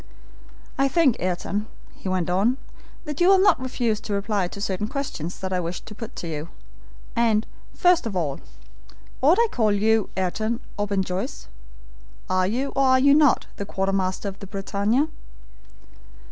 "I think, Ayrton," he went on, "that you will not refuse to reply to certain questions that I wish to put to you; and, first of all, ought I to call you Ayrton or Ben Joyce? Are you, or are you not, the quartermaster of the BRITANNIA?"